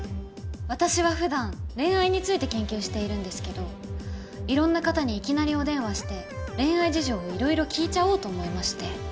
私は普段恋愛について研究しているんですけど色んな方にいきなりお電話して恋愛事情を色々聞いちゃおうと思いまして。